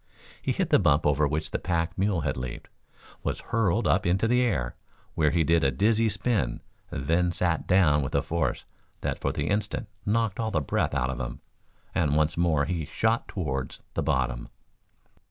He hit the bump over which the pack mule had leaped, was hurled up into the air, where he did a dizzy spin, then sat down with a force that for the instant knocked all the breath out of him, and once more he shot towards the bottom.